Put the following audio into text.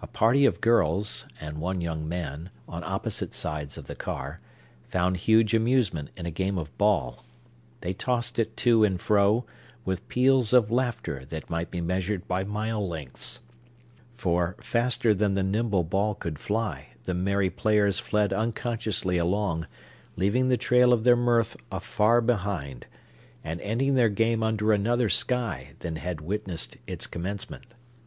A party of girls, and one young man, on opposite sides of the car, found huge amusement in a game of ball. They tossed it to and fro, with peals of laughter that might be measured by mile lengths; for, faster than the nimble ball could fly, the merry players fled unconsciously along, leaving the trail of their mirth afar behind, and ending their game under another sky than had witnessed its commencement.